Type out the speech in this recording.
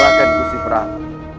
bahkan gusti prabu